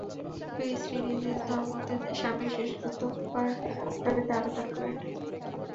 দুই স্ত্রীই নিজ নিজ ধমর্মতে স্বামীর শেষকৃত্য করার দাবিতে আবেদন করেন।